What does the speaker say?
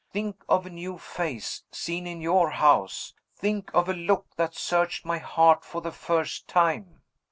Think of a new face, seen in your house! Think of a look that searched my heart for the first time!"